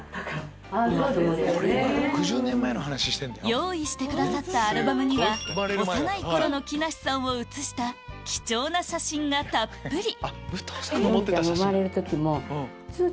用意してくださったアルバムには幼い頃の木梨さんを写した貴重な写真がたっぷり！